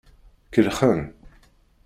Kellxen.